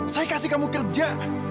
saya kasih kamu kerja